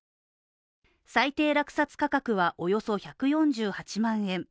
最低落札価格はおよそ１４８万円。